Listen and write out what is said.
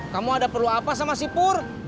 kamu ada perlu apa sama sipur